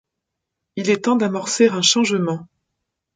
Il est temps d’amorcer un changement.